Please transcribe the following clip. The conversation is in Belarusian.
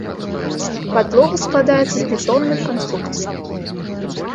Падлога складаецца з бетонных канструкцый.